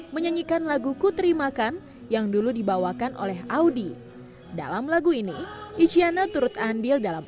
menyanyikan lagu ku terimakan yang dulu dibawakan oleh audi dalam lagu ini isyana turut andil dalam